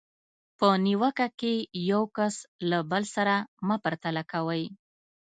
په نیوکه کې یو کس له بل سره مه پرتله کوئ.